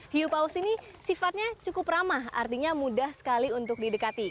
hiu paus ini sifatnya cukup ramah artinya mudah sekali untuk didekati